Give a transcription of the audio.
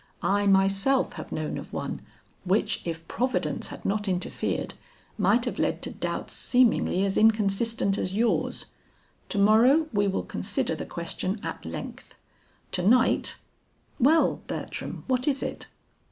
I, myself, have known of one which if providence had not interfered, might have led to doubts seemingly as inconsistent as yours. To morrow we will consider the question at length. To night Well, Bertram, what is it?"